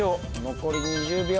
残り２０秒。